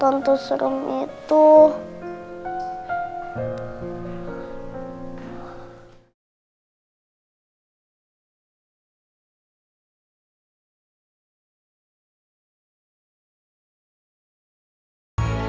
tante dewi dimana ya